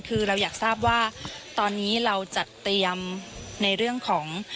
คือเราอยากทราบว่าตอนนี้เราจัดเตรียมในเรื่องของ